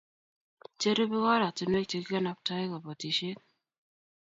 Cherubei ko oratinwek che kikanabtaei kobotisiet